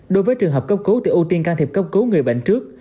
đối với trường hợp cấp cố thì ưu tiên can thiệp cấp cố người bệnh trước